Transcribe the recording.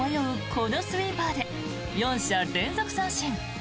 このスイーパーで４者連続三振。